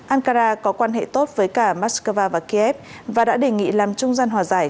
ankara có quan hệ tốt với cả moscow và kiev và đã đề nghị làm trung gian hòa giải